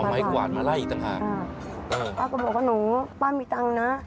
ไม้กวาดมาไล่อีกต่างหากนะครับพ่อก็บอกว่าหนูพ่อมีตังค์นะ